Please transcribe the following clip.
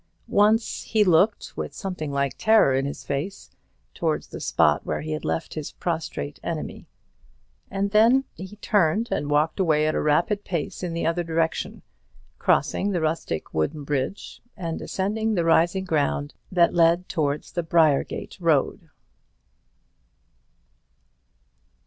Once he looked, with something like terror in his face, towards the spot where he had left his prostrate enemy; and then he turned and walked away at a rapid pace in the other direction, crossing the rustic wooden bridge, and ascending the rising ground that led towards the Briargate Road.